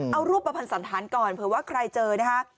เอารูปประพันธ์สันธารก่อนเผื่อว่าใครเจอนะคะ